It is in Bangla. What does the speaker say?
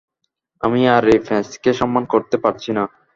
আমি আর এই প্যাচকে সম্মান করতে পারছি না।